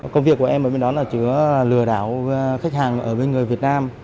công việc của em ở bên đó là chứa lừa đảo khách hàng ở bên người việt nam